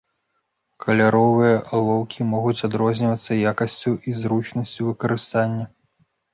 Каляровыя алоўкі могуць адрознівацца якасцю і зручнасцю выкарыстання.